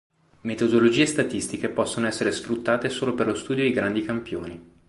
Metodologie statistiche possono essere sfruttate solo per lo studio di grandi campioni.